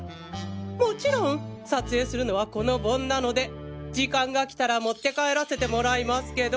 もちろん撮影するのはこの盆なので時間がきたら持って帰らせてもらいますけど。